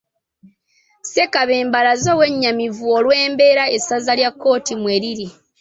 Ssekabembe alaze obwennyamivu olw'embeera essaza lya Kkooki mwe liri